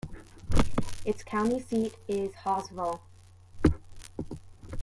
Its county seat is Hawesville.